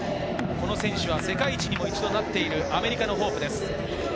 この選手は世界一にもなっているアメリカの選手です。